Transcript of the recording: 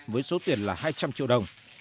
với số tiền là hai trăm linh triệu đồng